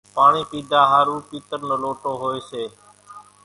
پاڻِي پيڌا ۿارُو پيتر نو لوٽو هوئيَ سي۔